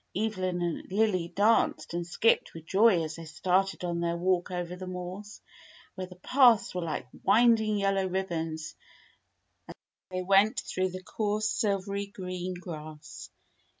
Evelyn and Lily danced and skipped with joy as they started on their walk over the moors, where the paths were like winding yellow ribbons as they went through the coarse silvery green grass.